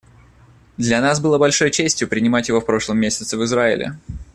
Для нас было большой честью принимать его в прошлом месяце в Израиле.